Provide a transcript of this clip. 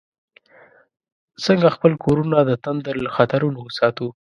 څنګه خپل کورونه د تندر له خطرونو وساتو؟